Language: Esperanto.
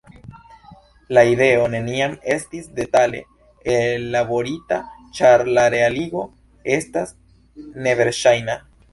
La ideo neniam estis detale ellaborita ĉar la realigo estas neverŝajna.